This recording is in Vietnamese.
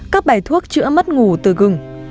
các bài thuốc chữa mất ngủ từ gừng